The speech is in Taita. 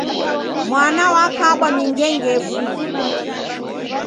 Mwana wakabwa ni ngengefu.